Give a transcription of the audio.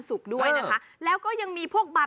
แก้ปัญหาผมร่วงล้านบาท